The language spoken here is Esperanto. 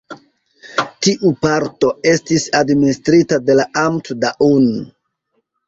Tiu parto estis administrita de la Amt Daun.